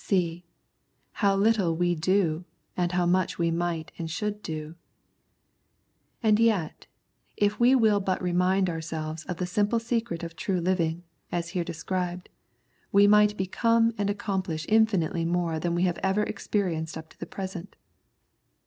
(c) How little we do, and how much we might and should do. And yet if we will but remind ourselves of the simple secret of true living, as here de scribed, we might become and accomplish infinitely more than we have ever experienced up to the present.